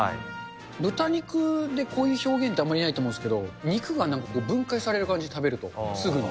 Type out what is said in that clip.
豚肉でこういう表現ってあんまりないと思うんですけど、肉が分解される感じ、食べると、すぐに。